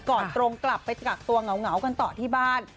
ตรงกลับไปกักตัวเหงากันต่อที่บ้าน